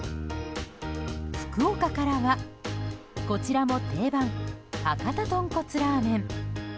福岡からは、こちらも定番博多豚骨ラーメン。